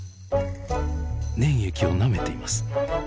粘液をなめています。